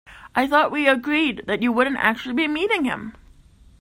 I thought we'd agreed that you wouldn't actually be meeting him?